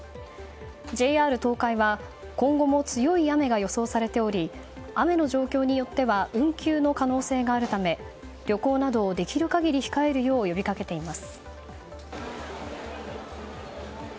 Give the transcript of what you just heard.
ＪＲ東海は今後も強い雨が予想されており雨の状況によっては運休の可能性があるため旅行などをできる限り控えるよう呼びかけています。